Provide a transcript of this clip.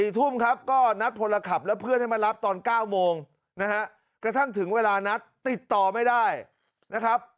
๔ทุ่มครับก็นัดพลขับและเพื่อนให้มารับตอน๙โมงนะฮะกระทั่งถึงเวลานัดติดต่อไม่ได้นะครับ